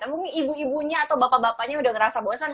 mungkin ibu ibunya atau bapak bapaknya udah ngerasa bosan